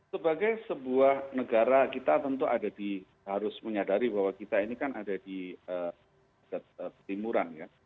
sebagai sebuah negara kita tentu ada di harus menyadari bahwa kita ini kan ada di timuran ya